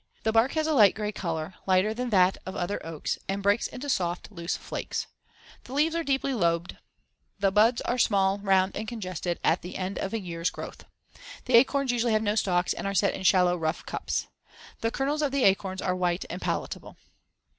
The *bark* has a *light gray color* lighter than that of the other oaks and breaks into soft, loose flakes as in Fig. 58. The *leaves are deeply lobed* as in Fig. 57. The *buds are small, round and congested* at the end of the year's growth. The acorns usually have no stalks and are set in shallow, rough cups. The kernels of the acorns are white and palatable.